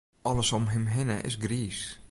Alles om him hinne is griis.